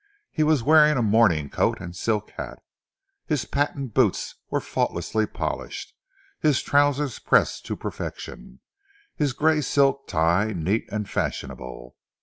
He was wearing a morning coat and silk hat, his pâtént boots were faultlessly polished, his trousers pressed to perfection, his grey silk tie neat and fashionable.